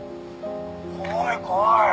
「怖い怖い！